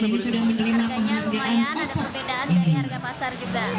harganya lumayan ada perbedaan dari harga pasar juga